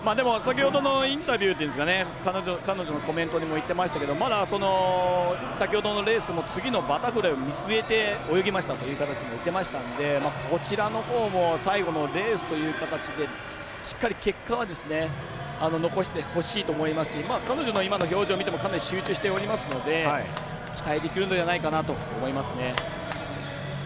でも、先ほどの彼女のコメントでも言ってましたけどまだ先ほどのレースも次のバタフライを見据えて泳ぎましたということを言ってましたのでこちらのほうも最後のレースという形でしっかり結果は残してほしいと思いますし彼女の今の表情を見てもかなり集中していますので期待できるのではないかなと思いますね。